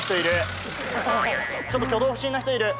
ちょっと挙動不審な人いる！